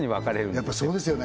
やっぱそうですよね